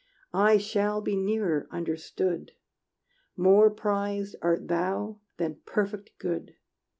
I shall be nearer, understood: More prized art thou than perfect good.